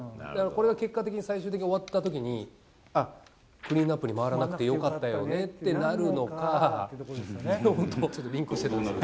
これが結果的に、最終的に終わったときに、あっ、クリーンナップに回らなくてよかったよなとなるのか。